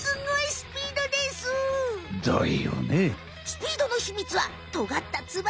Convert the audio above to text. スピードのひみつはとがった翼！